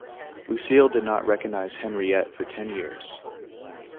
Lucile did not recognize Henriette for ten years.